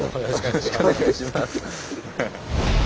よろしくお願いします。